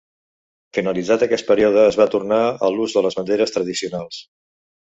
Finalitzat aquest període, es va tornar a l'ús de les banderes tradicionals.